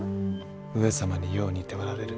上様によう似ておられる。